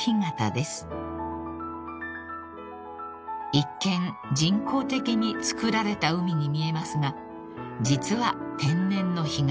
［一見人工的に造られた海に見えますが実は天然の干潟］